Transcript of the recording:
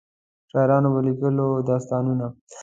شاعرانو به لیکلو داستانونه.